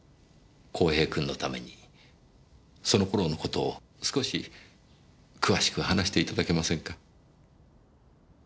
公平君のためにその頃の事を少し詳しく話していただけませんか。